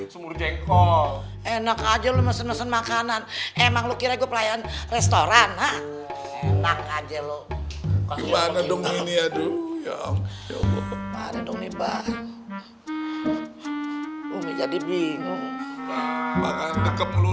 sumur jengkol enak aja lu mesen mesen makanan emang lu kira gue pelayan restoran enak aja lu